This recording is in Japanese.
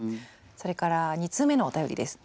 それから２通目のお便りです。